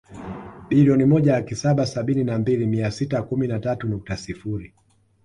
Bilioni moja laki saba sabini na mbili mia sita kumi na tatu nukta sifuri